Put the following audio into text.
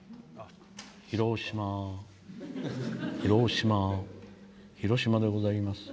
「広島広島広島でございます。